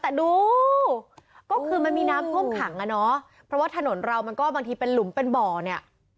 แต่ดูก็คือมันมีน้ำท่วมขังอ่ะเนอะเพราะว่าถนนเรามันก็บางทีเป็นหลุมเป็นบ่อเนี่ย